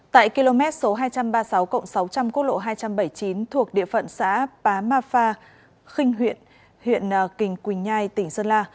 tại km số hai trăm ba mươi sáu cộng sáu trăm linh quốc lộ hai trăm bảy mươi chín thuộc địa phận xã pá ma pha kinh huyện huyện quỳnh nhai tỉnh sơn la